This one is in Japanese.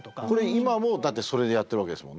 今もだってそれでやってるわけですもんね。